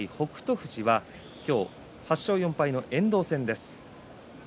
富士は今日、８勝４敗の遠藤戦です。